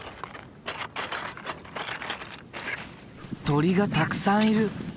鳥がたくさんいる。